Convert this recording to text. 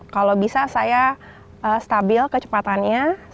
kalau bisa saya stabil kecepatannya